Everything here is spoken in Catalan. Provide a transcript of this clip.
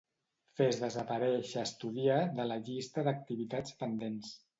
Fes desaparèixer estudiar de la llista d'activitats pendents.